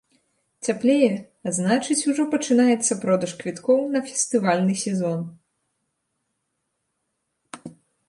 Цяплее, а значыць, ужо пачынаецца продаж квіткоў на фестывальны сезон.